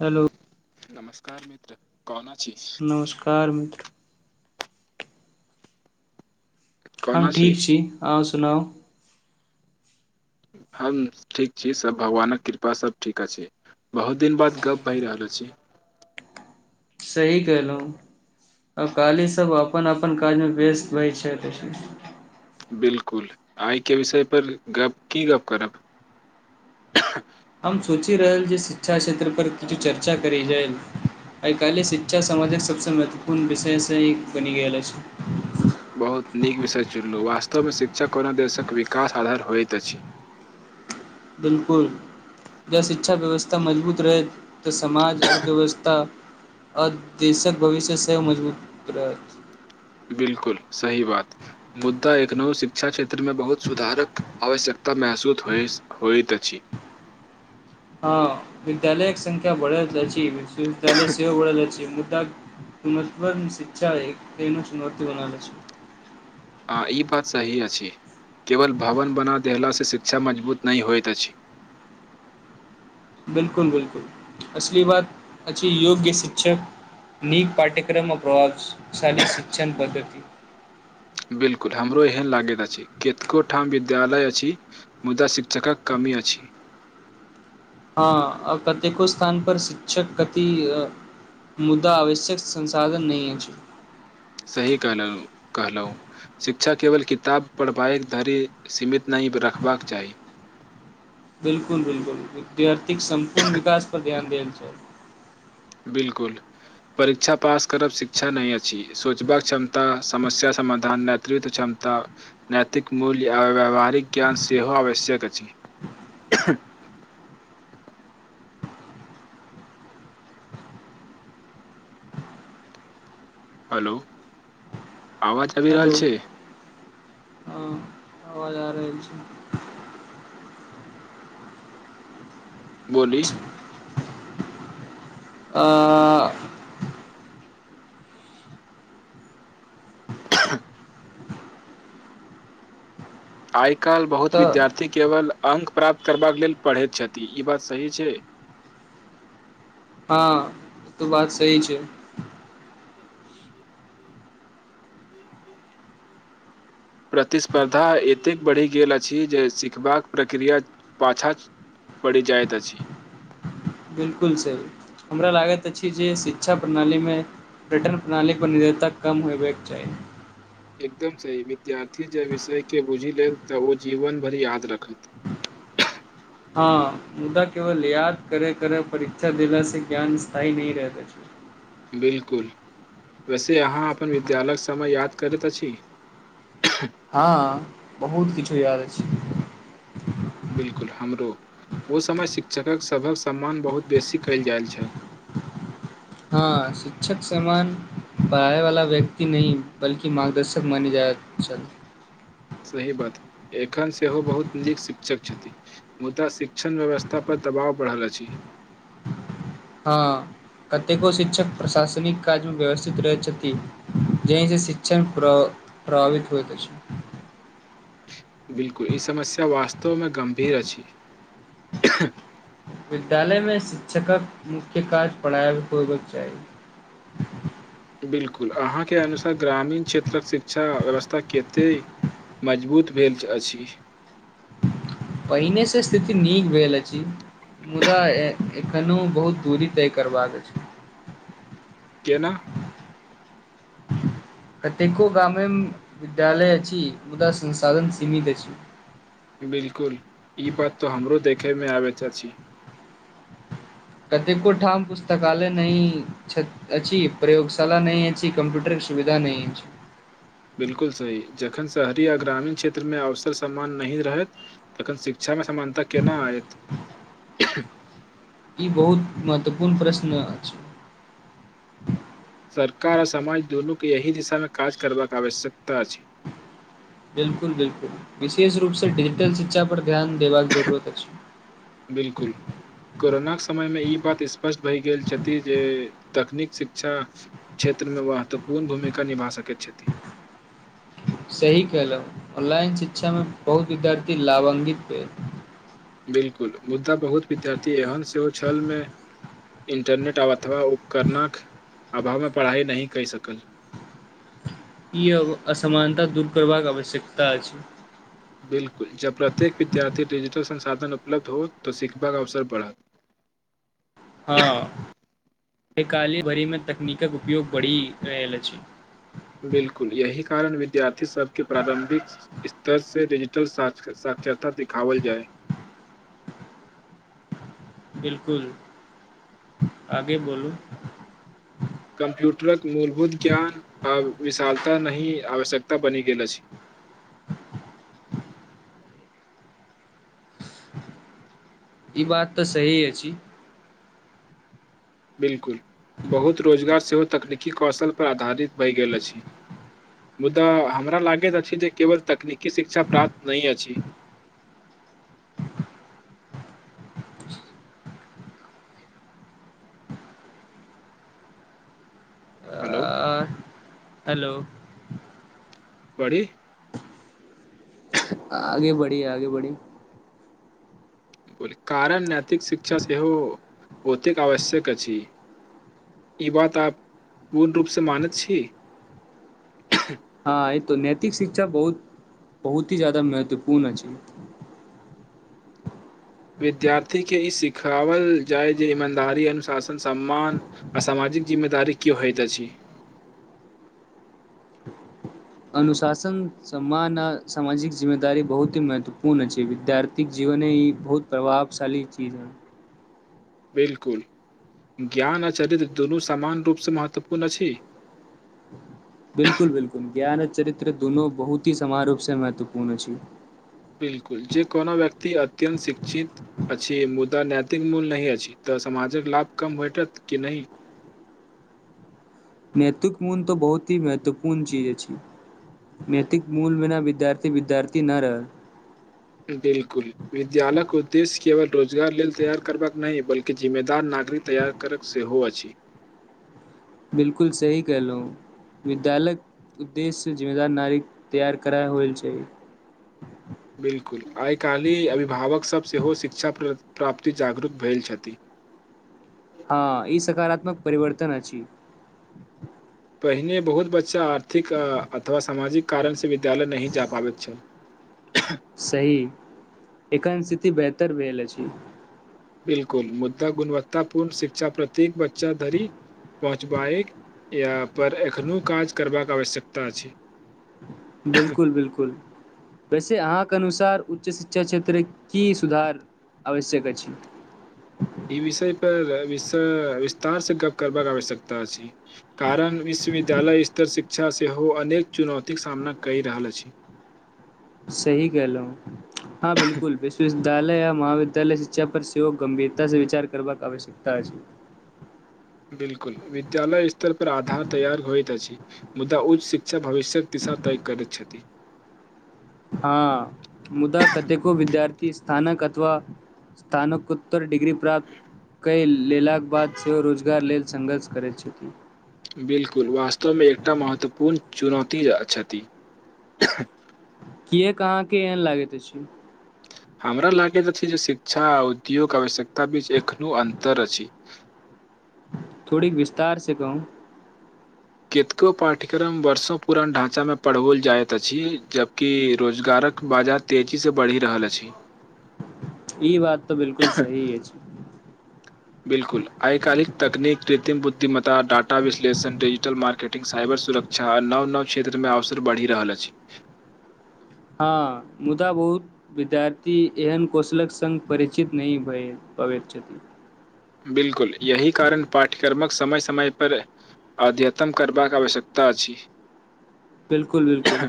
hello नमस्कार मित्र कौन नमस्कार मित्र हम ठीक छी आहाँ सुनाउ हम ठीक छी सभ भगवानक कृपा सब ठीक अछि बहुत दिन बाद गप्प भए रहल छी सही कहलहु अकालीसभ अपन अपन काजमे व्यस्त रहै छैत बिल्कुल आय के विषय पर गप्प की गप्प करब हम सोचि रहल छी शिक्षा क्षेत्र पर किछु चर्चा करी जाइ आइकाल्हि शिक्षा समाजक सबसँ महत्वपूर्ण विषयसँ एक बनि गेल अछि बहुत नीक विषय चुनलहुँ वास्तवमे शिक्षा कोना देशक विकास आधार होइत अछि [inaudible] बिल्कुल जब शिक्षा व्यवस्था मजबूत रहै तऽ समाज अर्थव्यवस्था आ देशक भविष्य सेहो मजबूत रहत बिल्कुल सही बात मुद्दा एखनहु शिक्षा क्षेत्रमे बहुत सुधारक आवश्यकता त महसूस होइ होइत अछी हँ विद्यालयक संख्या बढ़ल अछि विश्वविद्यालय सेहो बढ़ल अछि तब गुमत्व शिक्षा एक एना चुनौती बनाबे छै आ ई बात सही अछि केवल भवन बना देलासँ शिक्षा मजबूत नहि होइत अछि बिल्कुल-बिल्कुल असली बात अच्छी योग्य शिक्षक नीक पाठ्यक्रममे प्रभावशाली शिक्षण पद्धति बिल्कुल हमरो एहन लागैत अछि कतको ठाम विद्यालय अछि मुदा शिक्षकक कमी अछी हँ कतेको स्थान पर शिक्षक कति मुद्दा आवश्यक संसाधन नहि अछि सही कहलहु कहलहु शिक्षा केवल किताब पढ़बाई धरि सीमित नहि रखबाक चाही बिल्कुल-बिल्कुल विद्यार्थीक सम्पूर्ण विकास पर ध्यान देल जाय बिल्कुल परीक्षा पास करब शिक्षा नहि अछि सोचबाक क्षमता समस्य समाधान नेतृत्व क्षमता नैैतिक मूल्य आ व्यावहारिक ज्ञान सेहो आवश्यक अछी हेलो आवाज आवि रहल हेलो छै हँ आवाज आ रहल छै बोली आंं [unintelligible] आइ काल्हि बहुत तऽ विद्यार्थी केवल अंक प्राप्त करबाक लेल पढ़ैत छथि ई बात सही छै हँ त बात सही छै प्रतिस्पर्धा एतेक बढ़ि गेल अछि जे सिखबाक प्रक्रिया पाछाँ पड़ी जायइत अछि बिल्कुल सही हमरा लागैत अछि जे शिक्षा प्रणालीमे ब्रिटन प्रणाली पर निर्धरीता काम होयबाक चाही एकदम सही विद्यार्थी जे विषय के बुझि लेल तऽ ओ जीवन भरि याद रखल [inaudible] हँ मुदा केवल याद करे-करे परीक्षा देलासे ज्ञान स्थायी नहि रहैत अछि बिल्कुल वैसे अहाँ अपन विद्यालयक समय याद करैत अछि हँ बहुत किछु याद अछि बिल्कुल हमरो ओहि समय शिक्षकक सभक सम्मान बहुत बेसी कयल जाइत छल हँ शिक्षक समान पढ़ाइवाला व्यक्त नहि बल्कि मार्गदर्शक मानै जाइत रहल अच्छा सही बात एखन सेहो बहुत नीक शिक शिक्षक छथिन मुदा शिक्षण व्यवस्था पर दबाव पड़ल अछी हँ कतेको शिक्षक प्रशासनिक काजमे व्यवस्थित रहैत छथिन जहिसँ शिक्षण प्र प्रभावित होइत अछी [inaudible] बिल्कुल ई समस्या वास्तवमे गंभीर अछि विद्यालयमे शिक्षकक मुख्य काज पढ़ाय होयबाके चाही बिल्कुल अहाँके अनुसार ग्रामीण क्षेत्रक शिक्षा व्यवस्था कते मजबूत भेल अछि पहिनेसँ स्थिति नीक भेल अछि मुदा एखनो बहुत दूरी तय करबाक छै केना कतेको गामेम विद्यालय अछि मुदा संसाधन सीमित अछि केमे आबैत अछि कतेको ठाम पुस्तकालय नहि छैअ नहि अछि प्रयोगशाला नहि अछि कंप्यूटर के सुविधा नहि अछि [inaudible] बिल्कुल सही जखन शहरी आ ग्रामीण क्षेत्रमे अवसर समान नहि रहैत तखन शिक्षामे समानता केना आयत ई बहुत महत्वपूर्ण प्रश्न अछि सरकार आ समाज दुनू के यही दिशामे काज करबाक आवश्यकता अछि बिल्कुल बिल्कुल विशेष रूपसँ डिजिटल शिक्षा पर ध्यान देबाक जरूरत अछि बिल्कुल कोरोनाक समयमे ई बात स्पष्ट भए गेल छथि जे तकनीक शिक्षा क्षेत्र मे महत्वपूर्ण भूमिका निभा सकैत छथि सही कलहुँ ऑनलाइन शिक्षामे बहुत विद्यार्थी लाभान्वित भेल बिल्कुल मुद्दा बहुत विद्यार्थी एहन सेहो छलमे इंटरनेट आबता अथवा उपकरणक अभावमे पढ़ाई नहि कहि सकल ई असमानता दूर करबाक आवश्यकता अछि साधन उपलब्ध हो तऽ सिखबाके अवसर बढ़त हँ आ काल्हि भरिमे तकनीकक उपयोग बढ़ि रहल अछि बिल्कुल यही कारण विद्यार्थी सभके प्रारंभिक स्तर से डिजिटल सा सत्यता दिखावल जाइत बिल्कुल आगे बोलू कम्प्यूटरक मूलभूत ज्ञान आ विशालता नहि आवश्यकता बनि गेल अछि [inaudible] ई बात तऽ सही अछि बिल्नकुल बहुत रोजगार सेहो तकनीकी कौशलपर आधारित भए गेल अछि मुदा हमरा लागैत अछि जे केवल तकनीकी शिक्षा प्राप्त नहि अछि [inaudible] हेलो आ, हेलो बरी आगे बढ़ी आगे बढ़ी कारण नैैतिक शिक्षा सेहो बहुतेक आवश्यक अछि ई बात आप पूर्ण रूप से मानैत छी हँ ई तो नैतिक शिक्षा बहुत बहुत ही जादा महत्वपूर्ण अछि विद्यार्थी के ई सिखाओल जाय जे ईमानदारी अनुशासन सम्मान असामाजिक जिम्मेदारी की होइत अछि अनुशासन सम्मान आ सामाजिक जिम्मेदारी बहुत ही महत्वपूर्ण अछि विद्यार्थीक जीवन दुने ई बहुत प्रभावशाली चीज बिल्कुल ज्ञान आ चरित्र दुनू सामान्य रूपसे महत्वपूर्ण अछि बिल्कुल बिल्कुल ज्ञान आ चरित्र दुनू बहुत ही समान रूपसे महत्वपूर्ण अछि बिल्कुल जे कोनो व्यक्ति अत्यन्त शिक्षित अछि मुदा नैतिक मूल्य नहि अछि तऽ ऽ समाजक लाभ कम भेटत कि नहि नैत्विक मूल तऽ बहुत ही महत्वपूर्ण चीज अछि नैतिक मूल बिना विद्यार्थी विद्यार्थी न रहल बिल्कुल विद्यालय क उद्देेश्य केवल रोजगार लेल तैयार करबाक नहि बल्कि जिम्मेदार नागरि तैयार करक सेहो अछि बिल्कुल सही कहलउ विद्यालय उद्देश्य से जिम्मेदार नागरिक तैयार कर होइल छै [inaudible] बिल्कुल आइ काल्हि अभिभावकसब सेहो शिक्षा प्राप्ति जागरूक भेल छथि [inaudible] हाँ ई सकारात्मक परिवर्तन अछि पहिने बहुत बच्चा आर्थिक अथवा सामाजिक कारणसे विद्यालय नहि जा पाबैत छल सही एकखन स्थिति बेहतर भेल अछि बिल्कुल मुद्दा गुणवत्तापूर्ण शिक्षा प्रत्येक बच्चा धरी पहुँचबाय या पर एखनो काज करबाक आवश्यकता अछि बिल्कुल बिल्कुल वैसे अहाँके अनुसार उच्च शिक्षा क्षेत्र की सुधार आवश्यक अछि ई विषय पर विस विस्तार से गप करबाक आवश्यकता अछि कारण विश्वविद्यालय स्तर शिक्षा सेहो अनेक चुनौतीक सामना कै रहल अछि सही कहलहु हाँ बिल्कुल विश्व विद्यालय आ महाविद्यालय शिक्षा पर सेहो गंभीरता से विचार करबाक आवश्यकता अछि बिल्कुल विद्यालय स्तर पर आधार तैयार होइत अछि मुद्दा उच्च शिक्षा भविष्य्यक तय करैत छथि हाँ मुदा कतेको विद्यार्थी स्थानक व स्थानकोत्तर डिग्री प्राप्त कैल लेलाक बाद सेहो रोजगार लेल संघर्ष करैत छथि बिल्कुल वास्तवमे एकटा महत्वपूर्ण चुनौती अछथि किएक अहाँके एहन लागैत अछि हमरा लागैत अछि जे शिक्षा आ उद्योग आवश्यकता बीच एखनो अन्तर अछि थोड़ी विस्तार से कहू कियो पाठ्यक्रम वर्षों पुरान ढांचा मे पढबओल जायइत अछि जबकि रोजगारक बाज तेजी से बढ़ि रहल अछि ई बात तऽ बिलकुल सहीये छै बिल्कुल आयकालिक तकनीक कृत्रिम बुद्धिमतता डाटा विश्लेषण डिजिटल मार्केटिंग साइबर सुरक्षा आ नव नव क्षेत्र मे अवसर बढ़ि रहल अछि हँ मुदा बहुत विद्यार्थी एहन कौशलक संग परिचित नही भय पाबैत छथि बिलकुल यही कारण पाठ्यक्रमक समय समय पर अद्ययतन करबाक आवश्यकता अछि बिलकुल बिलकुल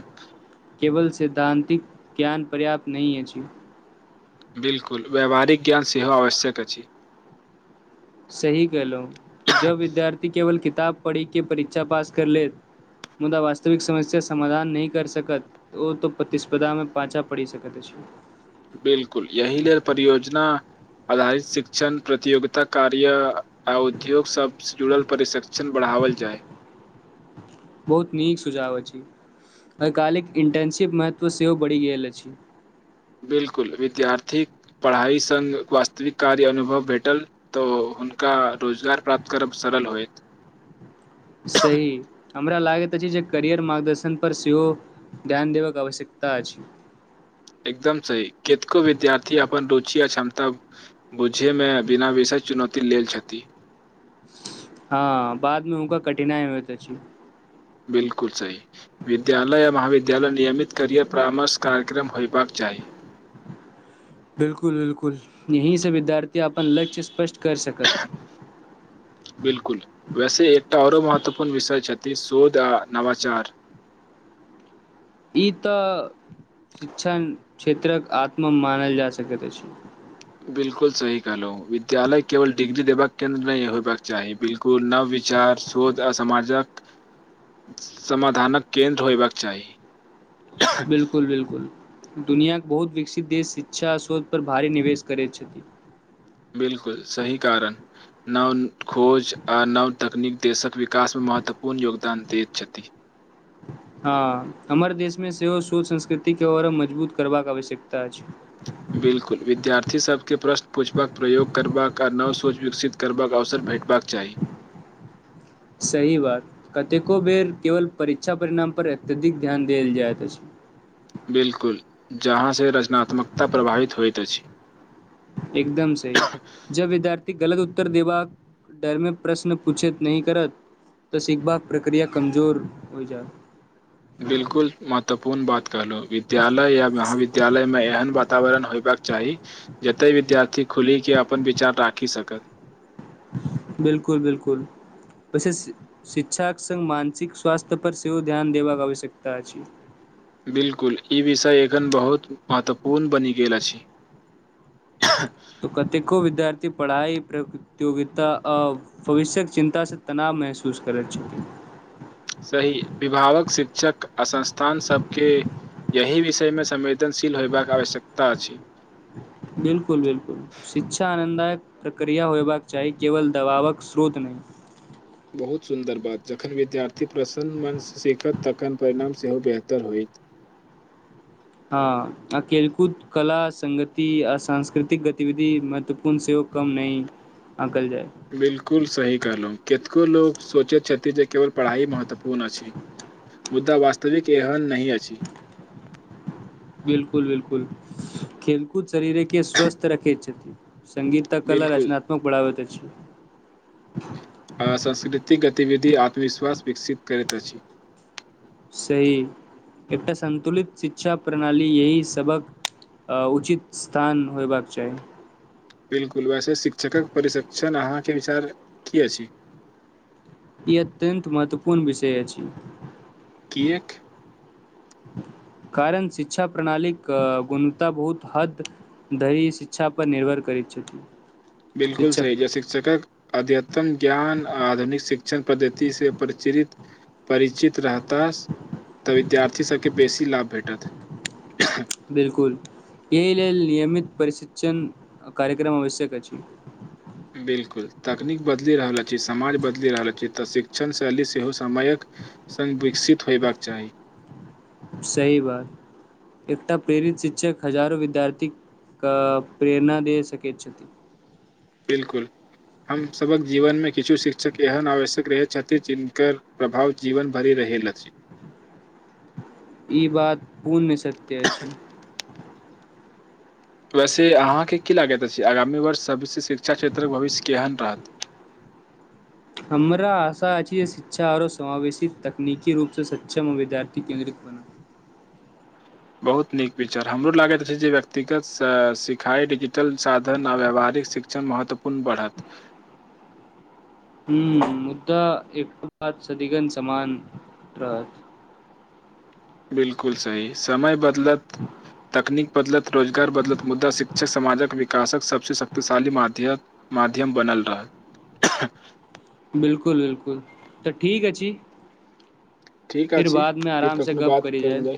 केवल सिद्धांतिक ज्ञान पर्याप्त नहि अछि बिल्कुल व्यावहारिक ज्ञान सेहो आवश्यक अछि सही कहलो जब विद्यार्थी केवल किताब पढ़ि के परीक्षा पास कर ले मुदा वास्तविक समस्या समाधान नहि कर सकत ओ त प्रतिस्पर्धामे पाछा पड़ि सकत अछि बिल्कुल एहि लेल परियोजना आधारित शिक्षण प्रतियोगित कार्या आ उद्योग सभसँ जुड़ल प्रशिक्षण बढ़ाओल जाए बहुत नीक सुझाव अछी आइ कालिक इंटर्नशिप महत्व सेहो बढ़ि गेल अछि बिल्कुल विद्यार्थीक पढ़ाइ संग वास्तविक कार्य अनुभव भेटल तऽ ओ हुनका रोजगार प्राप्त करब सरल होयत सही हमरा लाग जे करियर मार्गदर्शन पर सेहो ध्यान देबाक आवश्यकता अछि एकदम सही केतको विद्यार्थी अपन रुचि य क्षमता बुझे मे बिना विषय चुनौती लेल छथि हँ बादमे ओका कठिनाइ होय त अछी बिलकुल सही विद्यालय आ महाविद्यालय नियमित करियर परामर्श कार्यक्रम होयबाक चाही आइ बिलकुल बिलकुल यींही से विद्यार्थी अपन लक्ष्य स्पष्ट कर सकत बिलकुल वैसे एकटा औरो महत्व त अपन विषय छथि शोध आ नवाचार ई तऽ शिक्षण क्षेत्रक आत्म मानल जा सकैत अछि बिलकुल सही कहलौ विद्यालय केवल डिग्री देबाक केन्द्र नहि होयबाक चाही बिलकुल नव विचार शोध आ समाजक समाधानक केन्द्र होयबाक चाही बिलकुल बिलकुल दुनियाके बहुत विकसित देश शिक्षा श्रोत पर भारी निवेश करैत छथि बिलकुल सही कारण नव खोज आ नव तकनीक देशक विकासमे महत्वपूर्ण योगदान दैत छथि [inaudible] हँ हमर देशमे सेहो शोध संस्कृतिके और मजबूत करबाक आवश्यकता अछि बिलकुल विद्यार्थी सभके प्रश्न पूछबाक प्रयोग करबाक आ नव सोच विकसित करबाक अवसर भेटबाक चाही सही बात कतेको बेर केवल परीक्षा परिणाम पर अत्यधिक ध्यान देल जाइत अछि बिल्कुल जहाँ से रचनात्मकता प्रभावित होइत अछि एकदम सही जब विद्यार्थी गलत उत्तर देबाक डरमे प्रश्न पूछैत नहि करत तऽ सीखबाक प्रक्रिया कमजोर होइ जाइ बिलकुल महत्वपूर्ण बात कहलौ विद्यालय या महाविद्यालयमे एहन वातावरण होयबाक चाही जते विद्यार्थी खुलिके अपन विचार राखि सकत बिलकुल बिलकुल पस शिक्षाक सङघ मानसिक स्वस््थ्य पर सेहोव ध्यान देबाक आवश्यकता अछि बिल्कुल ई विषय एखन बहुत महत्वपूर्ण बनि गेल अछि तऽ कतेको विद्यार्थी पढ़ाइ प्रतियोगिता आ भविष्यक चिन्ता से तनाव महसूस करैत छथि सही विभागक शिक्षक आ संस्थान सबके एहिह विषयमे संवेदनशील होयबाक आवश्यकता अछि बिलकुल बिलकुल शिक्षा आनन्ददायक प्रक्रिया होयबाक चाही केवल दबावक स्रोत नहि बहुत सुन्दर बात जखन विद्यार्थी प्रसन्न मनसँ सीखत तखन परिणाम सेहो बेहतर होत [inaudible] हँ अकेलकूद कला संगगति आ सांस्कृतिक गतिविधि महत्वपूर्ण सेहो कम नहि आंकल जाय बिलकुल सही कहलहुँ केतको लोग सोचैत छथिन जे केवल पढ़ाइ महत्वपूर्ण अछि मुद्दा वास्तविक एहन नहि अछि बिलकुल बिलकुल खेलकूद शरीरे के स्वस्थ रखे छथि संगगीता कला बिल्कुल रचनात्मक बढ़बैत अछि आ सांस्कृतिक गतिविधि आत्मविश्वास विकसित करैत अछि सही एकटा संन्तुलित शिक्षा प्रणाली यह सबबक आ उचित स्थान होयबाक चाहि बिल्कुल वैसे शिक्षकक प्रशिक्षण अहाँके विचार की अछि ई अत्यन्त महत्वपूर्ण विषय अछि एक कारण शिक्षा प्रणालीक गुणता बहुत हद धरी शिक्षा पर निर्भर करय छथि बिलकुल शिक्षक सही छै पर शिक्षकक अध्यतम ज्ञान आधुनिक शिक्षक पद्धति से परिचित रहता तऽ विद्यार्थी सबके बेसी लाभ भेटत बिलकुल येह लेल नियमित परशिक्षण कार्यक्रम आवश्यक अछि बिलकुल तकनीक बदलि रहल अछि समाज बदलि रहल छी तऽ शिक्षण शैली सेहो समयक सङ्ग विकसित होयबाक चाही सही बात एकटा प्रेरित शिक्षक हजारो विद्यार्थी क प्रेरणा दे सके छथि बिलकुल हम सभक जीवनमे किछु शिक्षक एहन आवश्यक रह छथि जिनकर प्रभाव जीवन भरि रह भेल अछि ई बात पुण्य सत्य अछि वैसे अहाँकेँ की लागैत अछि आगामी वर्ष सभिस शिक्षा क्षेत्रक भविष्य केहन रहत हमरा आशा अछि जे शिक्षा आओर समावेशित तकनीकी रूपसँ सक्षम विद्यार्थी केन्द्रित बना [inaudible] बहुत नीक विचार हमरो लागैत रहै जे व्यक्तिगत सिखाई डिजिटल साधन आ व्याववहारिक शिक्षण महत्वपूर्ण बढ़त हू मुद्दा एक बाद सदिगन समान त बिलकुल सही समय बदलत तकनीक बदलत रोजगार बदलत मुद्दा शिक्षक समाजक विकासक सबसँ शक्तिशाली माध्यम माध्यम बनल रहत बिलकुल बिलकुल तऽ ठीक अछि ठीक फिर अछि बादमे फेर आराम से कखनो गप बात करी जाइ करल जाय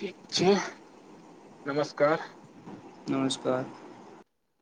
ठीक छै नमस्कार नमस्कार